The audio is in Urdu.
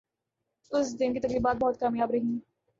اس دن کی تقریبات بہت کامیاب رہیں ۔